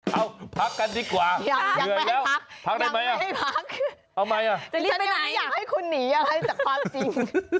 เอ้าพักกันดีกว่าเหนื่อยแล้วพักได้ไหมเอาไหมจะรีบไปไหนอยากให้คุณหนีอะไรจากความจริง